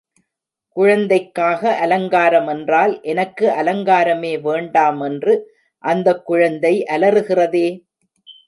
குழந்தைக்காக அலங்காரம் என்றால், எனக்கு அலங்காரமே வேண்டாம் என்று அந்தக் குழந்தை அலறுகிறதே!